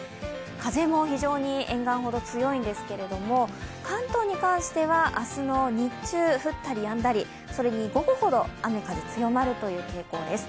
風も非常に沿岸ほど強いんですけれども、関東に関しては明日の日中、降ったりやんだりそれに午後ほど雨・風強まるという傾向です。